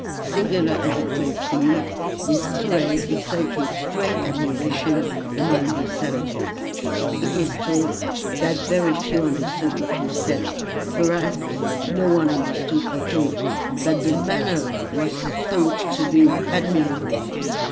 Singular as it may seem, this tirade excited great admiration among the savages. It is true, that very few understood what was said; perhaps no one understood all, but the manner was thought to be admirable.